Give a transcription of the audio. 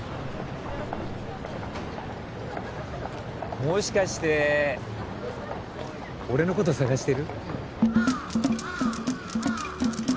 もしかして俺のこと捜してる？